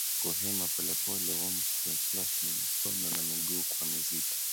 Kuhema polepole Warm skin flushingMikono na miguu kuwa mizito